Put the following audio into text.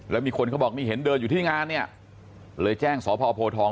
แล้วมีคนเขาบอกนี่เห็นเดินอยู่ที่งานเนี่ยเลยแจ้งสพโพทอง